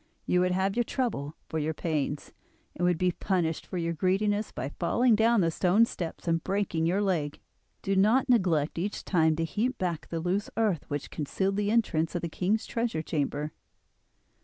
You would have your trouble for your pains, and would be punished for your greediness by falling down the stone steps and breaking your leg. Do not neglect each time to heap back the loose earth which concealed the entrance of the king's treasure chamber.